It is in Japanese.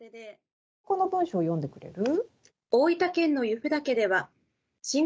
この文章読んでくれる？